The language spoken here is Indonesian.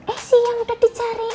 eh siang udah dicariin